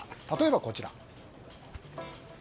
例えば、こちら。